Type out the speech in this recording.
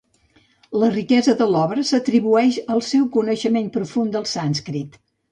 La riquesa de l'obra s'atribueix al seu coneixement profund del sànscrit.